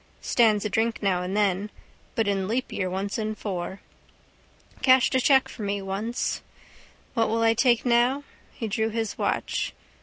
Stands a drink now and then. But in leapyear once in four. Cashed a cheque for me once. What will I take now? He drew his watch.